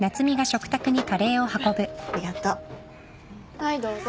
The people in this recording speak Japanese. はいどうぞ。